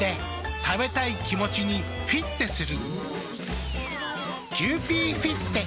食べたい気持ちにフィッテする。